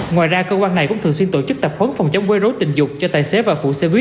ngoài ra cơ quan này cũng thường xuyên tổ chức tập huấn phòng chống quê rối tình dục cho tài xế và phụ xe buýt